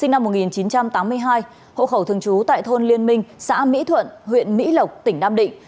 sinh năm một nghìn chín trăm tám mươi hai hộ khẩu thường trú tại thôn liên minh xã mỹ thuận huyện mỹ lộc tỉnh nam định